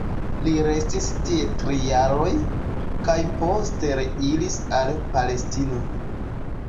Li restis tie tri jaroj, kaj poste reiris al Palestino.